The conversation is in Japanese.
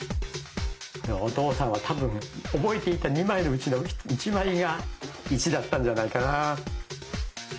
お父さんは多分覚えていた２枚のうちの１枚が１だったんじゃないかな。